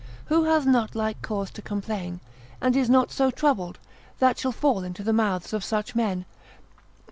Who hath not like cause to complain, and is not so troubled, that shall fall into the mouths of such men?